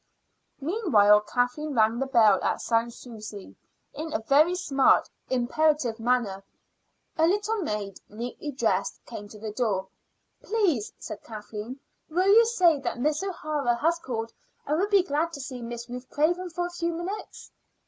Meanwhile Kathleen rang the bell at Sans Souci in a very smart, imperative manner. A little maid, neatly dressed, came to the door. "Please," said Kathleen, "will you say that Miss O'Hara has called and would be glad to see Miss Ruth Craven for a few minutes?"